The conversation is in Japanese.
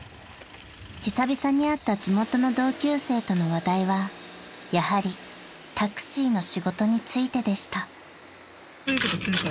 ［久々に会った地元の同級生との話題はやはりタクシーの仕事についてでした］えっ？